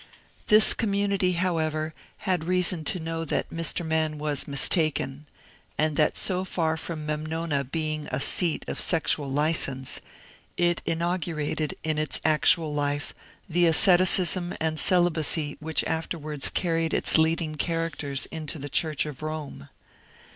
This community, however, had reason to know that Mr. Mann was mistaken; and that so far from ^^ Memnona" being a seat of sexual license, it inaugurated in its actual life the asceticism and celibacy which afterwards carried its leading characters into the Church of Rome.